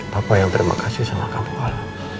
papa yang terima kasih sama kamu al